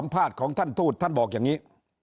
ภาษณของท่านทูตท่านบอกอย่างนี้